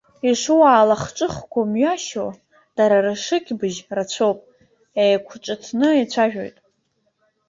Ишуаалахҿыхқәоу мҩашьо, дара ршыкьбыжь рацәоуп, еиқәҿыҭны еицәажәоит.